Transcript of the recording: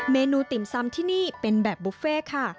เมนูติ่มซำที่นี่เป็นแบบบุฟเฟ่ค่ะ